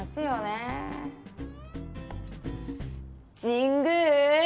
神宮！